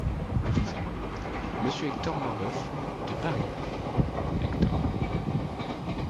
Lisant. "Monsieur Hector Marbeuf… de Paris." Hector.